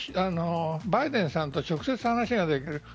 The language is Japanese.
バイデンさんと直接話ができる。